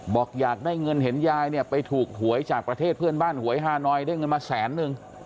บอกอยากได้เงินเห็นยายเนี่ยไปถูกหวยจากประเทศเพื่อนบ้านหวยฮานอยได้เงินมาแสนนึง